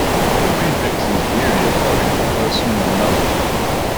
The prefixes vary according to person and number.